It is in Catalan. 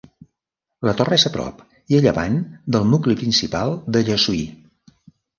La Torre és a prop i a llevant del nucli principal de Llessui.